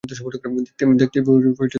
দেখতে ভয়ংকর লাগছে!